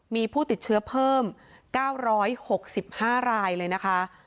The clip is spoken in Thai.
มีผู้ติดเชื้อเพิ่ม๙๖๕รายเลยนะคะ